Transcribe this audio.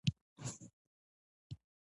دا له هغو درېیو ګنبدونو ده.